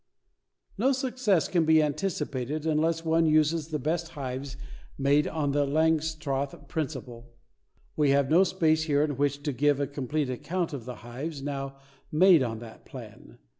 No success can be anticipated unless one uses the best hives made on the Langstroth principle. We have no space here in which to give a complete account of the hives now made on that plan.